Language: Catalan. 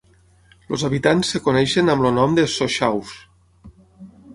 Els habitants es coneixen amb el nom de "sochaux".